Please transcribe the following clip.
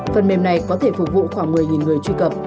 phần mềm này có thể phục vụ khoảng một mươi người truy cập